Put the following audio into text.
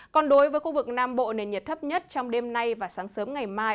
còn đối với khu vực nam bộ nền nhiệt thấp nhất trong đêm nay và sáng sớm ngày mai